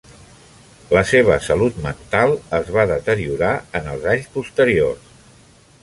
La seva salut mental es va deteriorar en els anys posteriors.